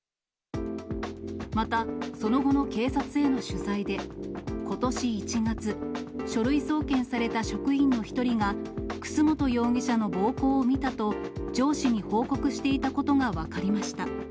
また、その後の警察への取材で、ことし１月、書類送検された職員の１人が、楠本容疑者の暴行を見たと上司に報告していたことが分かりました。